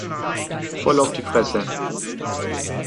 Voll auf die Fresse!